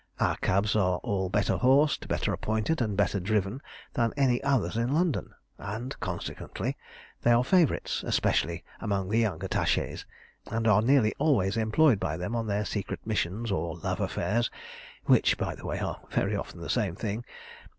Our cabs are all better horsed, better appointed, and better driven than any others in London, and, consequently, they are favourites, especially among the young attachés, and are nearly always employed by them on their secret missions or love affairs, which, by the way, are very often the same thing.